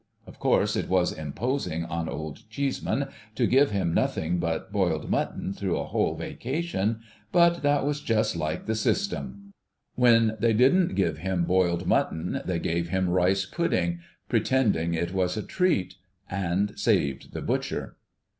Of course it was imposing on Old Cheeseman to give him nothing but boiled mutton through a whole Vacation, but that was just like the system. When they didn't give him boiled mutton, they gave him rice pudding, pretending it was a treat. And saved the butcher.